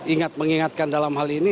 ingat mengingatkan dalam hal ini